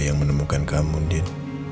yang menemukan kamu din